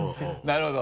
なるほど。